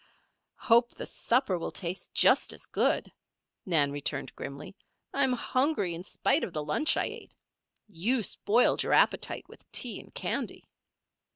"Hope the supper will taste just as good," Nan returned grimly. "I'm hungry in spite of the lunch I ate. You spoiled your appetite with tea and candy."